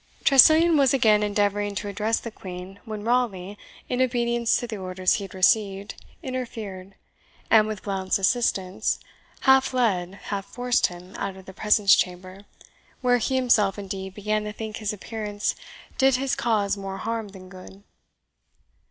Tressilian was again endeavouring to address the Queen, when Raleigh, in obedience to the orders he had received, interfered, and with Blount's assistance, half led, half forced him out of the presence chamber, where he himself indeed began to think his appearance did his cause more harm than good.